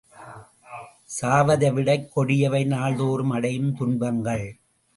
சாவதைவிடக் கொடியவை நாள் தோறும் அடையும் துன்பங்கள்!